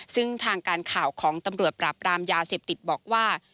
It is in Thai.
ซึ่งทางการข่าวของตำรวจปราบรามยาเสพติดบอกว่า